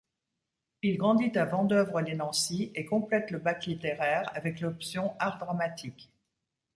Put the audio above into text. Il grandit à Vandœuvre-lès-Nancy et complète le bac littéraire avec l'option art dramatique.